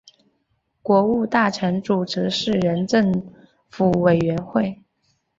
国务大臣主持四人政府委员会。